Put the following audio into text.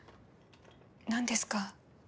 何ですか？